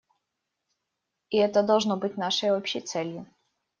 И это должно быть нашей общей целью.